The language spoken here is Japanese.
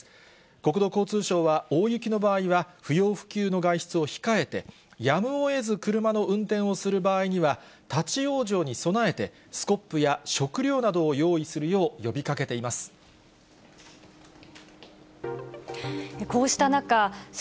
国土交通省は、大雪の場合は不要不急の外出を控えて、やむをえず車の運転をする場合には、立往生に備えて、スコップや食料などを用意するよう呼びかけています。